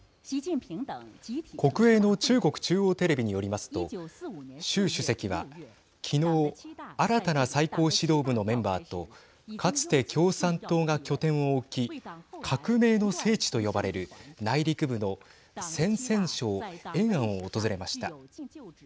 国営の中国中央テレビによりますと習主席は昨日、新たな最高指導部のメンバーとかつて、共産党が拠点を置き革命の聖地と呼ばれる内陸部の陝西省延安を訪れました。